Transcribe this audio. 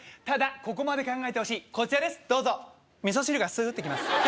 ただここまで考えてほしいこちらですどうぞ味噌汁がスーッて来ます